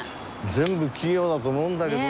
全部企業だと思うんだけどね。